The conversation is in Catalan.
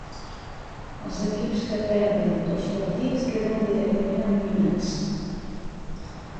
Els equips que perden dos partits queden directament eliminats.